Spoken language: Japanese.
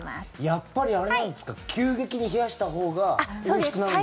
やっぱりあれなんですか急激に冷やしたほうがおいしくなるんですか？